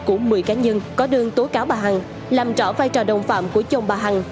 của một mươi cá nhân có đơn tố cáo bà hằng làm rõ vai trò đồng phạm của chồng bà hằng